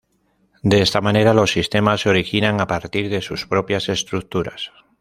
De esta manera, los sistemas se originan a partir de sus propias estructuras.